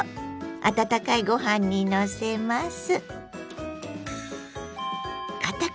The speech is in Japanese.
温かいご飯にのせます。